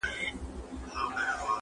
o انسانيت بايد وساتل سي تل,